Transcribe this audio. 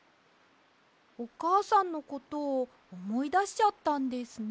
おかあさんのことをおもいだしちゃったんですね。